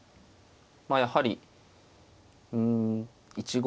まあやはりうん１五